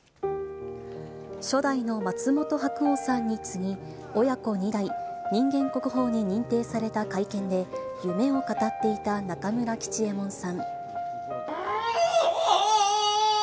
初代の松本白鸚さんに次ぎ、親子２代、人間国宝に認定された会見で、夢を語っていた中村吉右衛門さん。